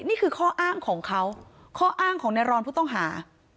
นี่คือข้ออ้างของเขาข้ออ้างของในรอนผู้ต้องหา